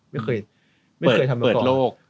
ไม่เคยทำมาก่อนเปิดโลก